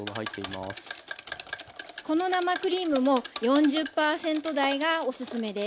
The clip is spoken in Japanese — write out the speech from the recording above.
この生クリームも４０％台がおすすめです。